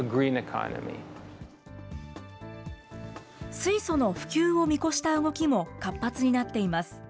水素の普及を見越した動きも活発になっています。